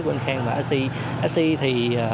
của anh khang và axi axi thì